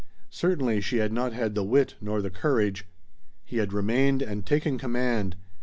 Certainly she had not had the wit nor the courage. He had remained and taken command.